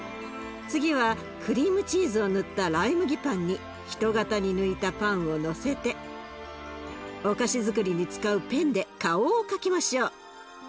次はクリームチーズを塗ったライ麦パンに人形に抜いたパンをのせてお菓子づくりに使うペンで顔を描きましょう。